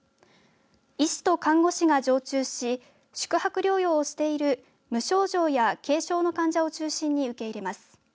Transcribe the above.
医師と看護師が常駐し宿泊療養をしている無症状や軽症の患者を中心に受け入れます。